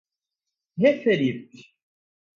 referidos